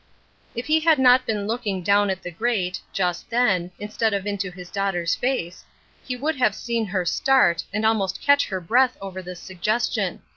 If he had not been looking down at the grate, just then, instead of into his daughter's face, he would have seen her start, and almost catch her breath over this suggestion.